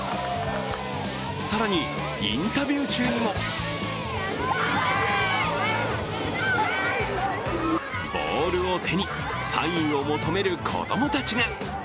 更に、インタビュー中にもボールを手にサインを求める子供たちが。